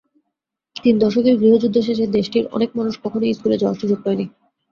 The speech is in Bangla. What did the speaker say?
তিন দশকের গৃহযুদ্ধ শেষে দেশটির অনেক মানুষ কখনোই স্কুলে যাওয়ার সুযোগ পায়নি।